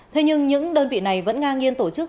thế nhưng những đơn vị này vẫn ngang nhiên tổ chức